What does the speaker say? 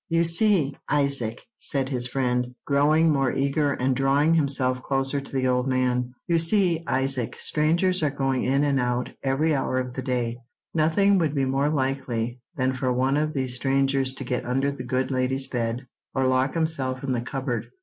"You see, Isaac," said his friend, growing more eager, and drawing himself closer to the old man—"you see, Isaac, strangers are going in and out every hour of the day; nothing would be more likely than for one of these strangers to get under the good lady's bed, or lock himself in the cupboard.